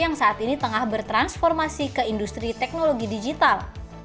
yang saat ini tengah bertransformasi ke industri teknologi digital